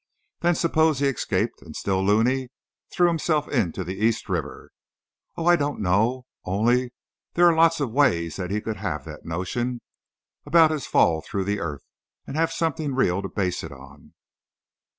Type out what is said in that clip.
Then suppose he escaped, and, still loony, threw himself into the East River oh, I don't know only, there are lots of ways that he could have that notion about his fall through the earth, and have something real to base it on."